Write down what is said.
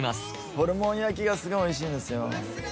ホルモン焼きがすごいおいしいんですよ。